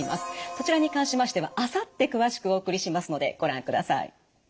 そちらに関しましてはあさって詳しくお送りしますのでご覧ください。